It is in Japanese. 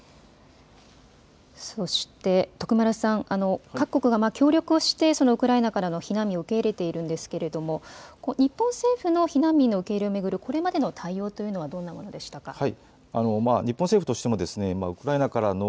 そして、徳丸さん各国が協力をしてウクライナからの避難民を受け入れているんですけれども日本政府の避難民の受け入れをめぐるこれまでの対応というのはどんなものでしたか。